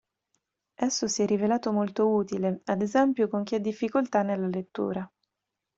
Esso si è rivelato molto utile, ad esempio, con chi ha difficoltà nella lettura.